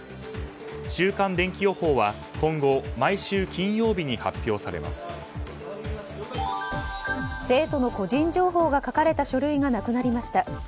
週間でんき予報は今後毎週金曜日に生徒の個人情報が書かれた書類がなくなりました。